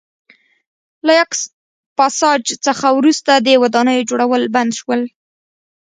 له یاکس پاساج څخه وروسته د ودانیو جوړول بند شول